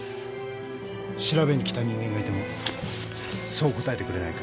調べにきた人間がいてもそう答えてくれないか。